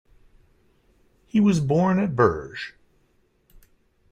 He was born at Bourges.